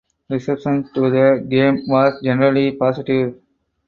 Reception to the game was generally positive.